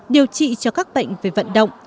điều trị cho các bệnh về vận động